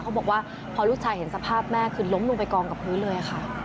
บอกว่าพอลูกชายเห็นสภาพแม่คือล้มลงไปกองกับพื้นเลยค่ะ